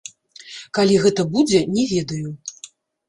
Калі гэта будзе, не ведаю.